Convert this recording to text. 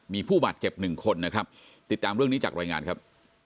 มีผู้บาดเจ็บหนึ่งคนนะครับติดตามเรื่องนี้จากรายงานครับ